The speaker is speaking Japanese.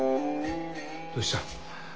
どうした？